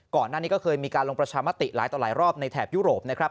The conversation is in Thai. ก่อนหน้านี้ก็เคยมีการลงประชามติหลายต่อหลายรอบในแถบยุโรปนะครับ